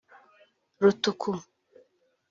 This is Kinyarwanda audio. Rutuku